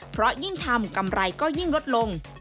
เพราะยิ่งทำกำไรก็ยิ่งลดลง